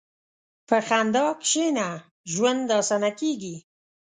په خندا کښېنه، ژوند اسانه کېږي.